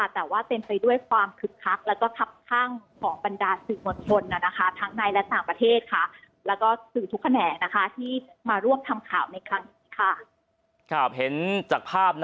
ตอนนี้บรรยากาศที่บริเวณหน้ากรกฎอบ